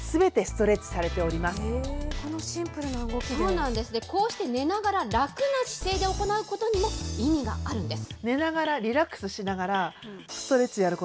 そうなんですね、こうして寝ながら楽な姿勢で行うことにも意味があるんです。